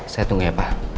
saya tunggu ya pak